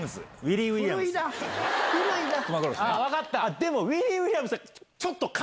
でも。